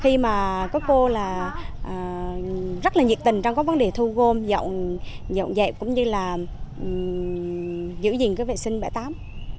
khi mà các cô là rất là nhiệt tình trong các vấn đề thu gom dọn dẹp cũng như là giữ gìn cái vệ sinh bãi tắm